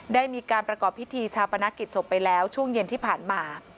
ได้มีการประกอบพิธีชาปนกิจศพไปแล้วช่วงเย็นที่ผ่านมา